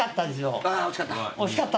あ惜しかった。